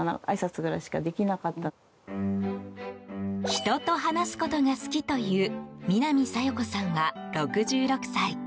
人と話すことが好きという南小夜子さんは６６歳。